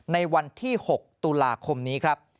ในวันที่๖ตุลาคมนี้ครับ